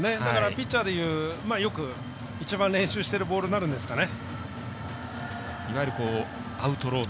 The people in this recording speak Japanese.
ピッチャーでいうよく一番練習しているボールになるんですかね。